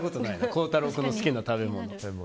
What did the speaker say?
孝太郎君の好きな食べ物。